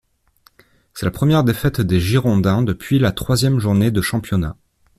C'est la première défaite des Girondins depuis la troisième journée de championnat.